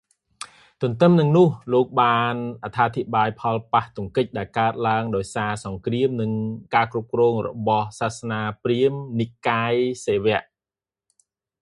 ទន្ទឹមនឹងនោះ លោកបានអធិប្បាយផលប៉ះទង្គិចដែលកើតឡើងដោយសារសង្គ្រាម និងការគ្រប់គ្រង់របស់សាសនាព្រាហ្មណ៍និកាយសិវៈ។